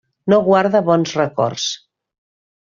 No guarda bons records.